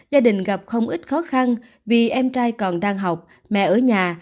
gia đình gặp không ít khó khăn vì em trai còn đang học mẹ ở nhà